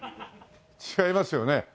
違いますよね。